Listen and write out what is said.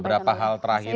beberapa hal terakhir ini ya